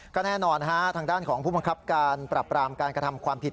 ก็แน่นอนทางด้านของผู้บังคับการปรับปรามการกระทำความผิด